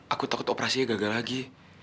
aku takut operasinya gagal lagi